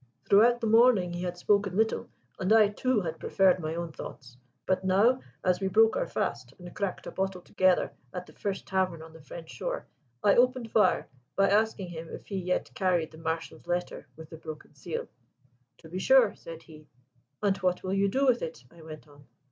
Throughout the morning he had spoken little, and I too had preferred my own thoughts. But now, as we broke our fast and cracked a bottle together at the first tavern on the French shore, I opened fire by asking him if he yet carried the Marshal's letter with the broken seal. 'To be sure,' said he. 'And what will you do with it?' I went on.